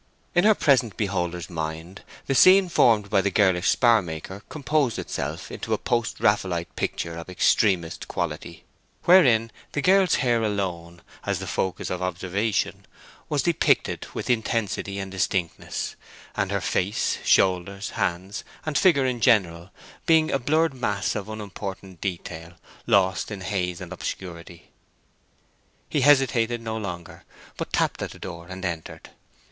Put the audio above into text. In her present beholder's mind the scene formed by the girlish spar maker composed itself into a post Raffaelite picture of extremest quality, wherein the girl's hair alone, as the focus of observation, was depicted with intensity and distinctness, and her face, shoulders, hands, and figure in general, being a blurred mass of unimportant detail lost in haze and obscurity. He hesitated no longer, but tapped at the door and entered.